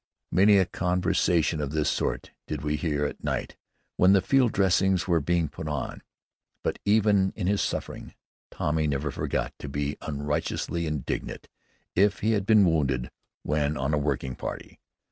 Many a conversation of this sort did we hear at night when the field dressings were being put on. But even in his suffering Tommy never forgot to be unrighteously indignant if he had been wounded when on a working party.